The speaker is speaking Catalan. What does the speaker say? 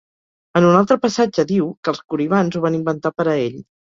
En un altre passatge diu que els Coribants ho van inventar per a ell.